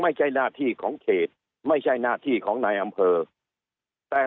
ไม่ใช่หน้าที่ของเขตไม่ใช่หน้าที่ของนายอำเภอแต่